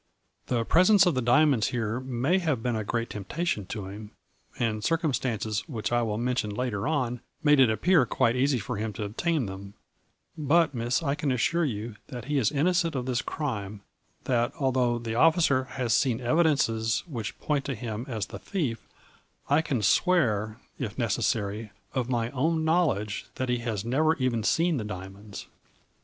"' The presence of the diamonds here may have been a great temptation to him, and cir cumstances which I will mention later on made it appear quite easy for him to obtain them, but, Miss, I can assure you that he is innocent of this crime, that, although the officer has seen evidences which point to him as the thief, I can swear, if necessary, of my own knowledge that he has never even seen the diamonds.